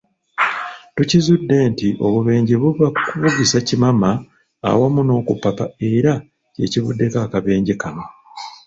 Tuzudde nti obubenje buva ku kuvugisa kimama awamu n'okupapa era kyekivuddeko akabenje kano.